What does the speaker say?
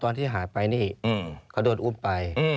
ตอนที่หายไปนี่เขาโดนอุ้มไป